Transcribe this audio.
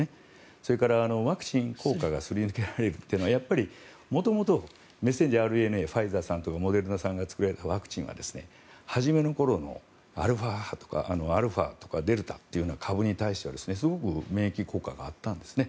それからワクチン効果がすり抜けられるというのは元々、メッセンジャーＲＮＡファイザーさんとかモデルナさんが作られたワクチンは初めの頃のアルファとかデルタというような株に対してはすごく免疫効果があったんです。